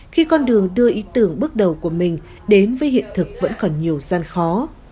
khi con đường đưa ý tưởng bước đầu của mình đến với hiện thực vẫn còn nhiều gian khó